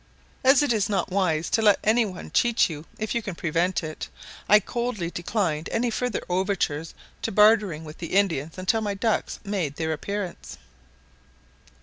As it is not wise to let any one cheat you if you can prevent it, I coldly declined any further overtures to bartering with the Indians until my ducks made their appearance.